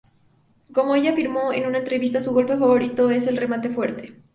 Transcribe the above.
Como ella afirmó en una entrevista su golpe favorito es el remate fuerte.